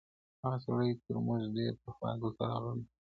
هغه سړی تر موږ ډېر پخوا دلته راغلی و.